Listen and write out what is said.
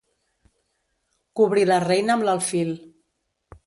Cobrir la reina amb l'alfil.